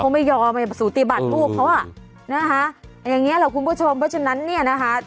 เขาไม่ยอมสูติบัติลูกเขาอ่ะนะคะอย่างเงี้แหละคุณผู้ชมเพราะฉะนั้นเนี่ยนะคะ